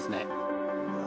うわ。